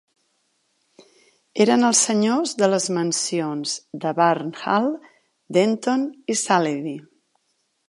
Eren els senyors de les mansions de Burne Hall, Denton i Saleby.